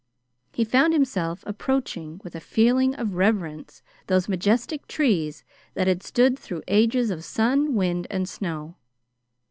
He found himself approaching, with a feeling of reverence, those majestic trees that had stood through ages of sun, wind, and snow.